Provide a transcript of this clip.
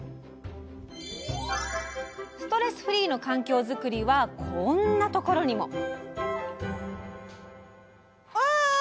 ストレスフリーの環境づくりはこんなところにも！